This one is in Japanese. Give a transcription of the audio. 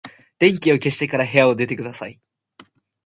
電気を消してから部屋を出てください。